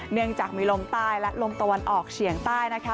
เนื่องจากมีลมใต้และลมตะวันออกเฉียงใต้นะคะ